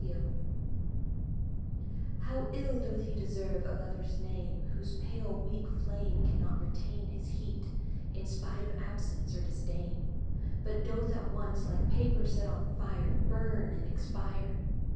SONG. HOW ill doth lie deserve a Lover's name Whose pale weak flame Cannot retain His heat, in spite of absence or disdain ; But doth at once, like paper set on fire, Burn and expire